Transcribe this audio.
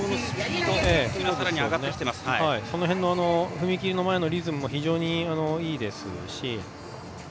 踏み切りの前のリズムも非常にいいですね。